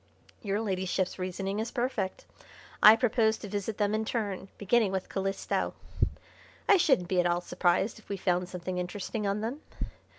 "Your Ladyship's reasoning is perfect. I propose to visit them in turn, beginning with Calisto. I shouldn't be at all surprised if we found something interesting on them.